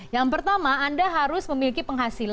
yang pertama anda harus memiliki penghasilan